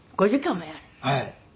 はい。